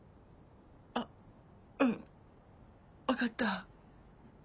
あうん分かった。